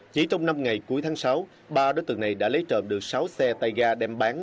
chỉ trong năm ngày cuối tháng sáu ba đối tượng này đã lấy trộm được sáu xe tay ga đem bán